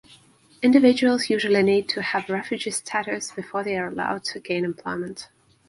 Individuals usually need to have refugee status before they are allowed to gain employment.